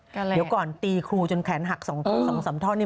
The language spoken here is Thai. เดี๋ยวก่อนตีครูจนแขนหัก๒๓ท่อนี่